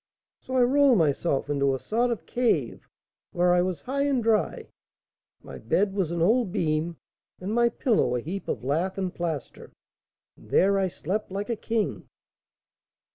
"' So I rolled myself into a sort of cave, where I was high and dry; my bed was an old beam, and my pillow a heap of lath and plaster, and there I slept like a king."